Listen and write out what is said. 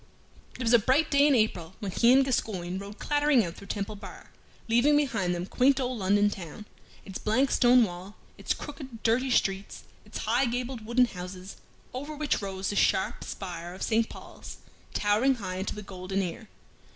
It was a bright day in April when he and Gascoyne rode clattering out through Temple Bar, leaving behind them quaint old London town, its blank stone wall, its crooked, dirty streets, its high gabled wooden houses, over which rose the sharp spire of St. Paul's, towering high into the golden air.